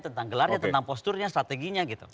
tentang gelarnya tentang posturnya strateginya gitu